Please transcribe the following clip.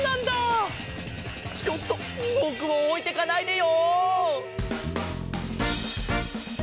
ちょっとぼくをおいてかないでよ！